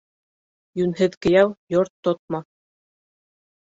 Йүнһеҙ кейәү йорт тотмаҫ.